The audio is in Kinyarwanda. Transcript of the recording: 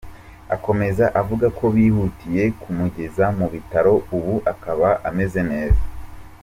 Akomeza avuga ko bihutiye kumugeza mu bitaro ubu akaba ameze neza.